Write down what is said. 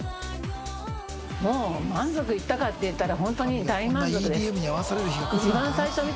もう満足いったかっていったらホントに。